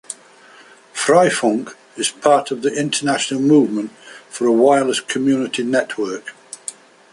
Freifunk is part of the international movement for a wireless community network.